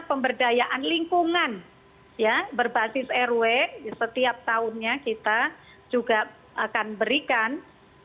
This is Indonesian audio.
pemberdayaan lingkungan ya berbasis rw setiap tahunnya kita juga akan berikan